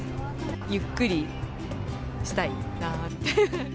ゆっくりしたいなーって。